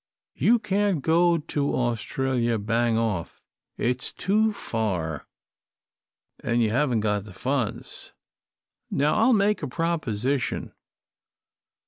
You can't go to Australia bang off. It's too far. And you haven't got the funds. Now I'll make a proposition.